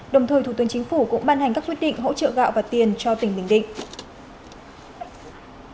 đồng thời thủ tướng chính phủ cũng ban hành các quyết định hỗ trợ gạo và tiền cho tỉnh bình định